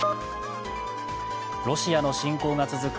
ロシアの侵攻が続く